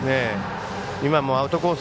今もアウトコース